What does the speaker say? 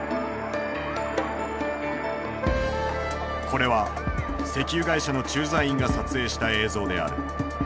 これは石油会社の駐在員が撮影した映像である。